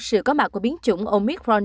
sự có mạng của biến chủng omicron